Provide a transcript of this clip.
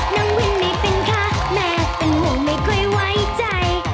น้องวินไม่เป็นคะแม่เป็นห่วงไม่ค่อยไว้ใจ